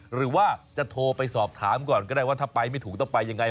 หรือว่าจะโทรไปสอบถามก่อนก็ได้ว่าถ้าไปไม่ถูกต้องไปยังไง